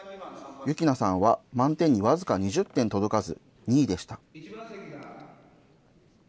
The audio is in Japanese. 喜なさんは満点に僅か２０点届かず、２位でした。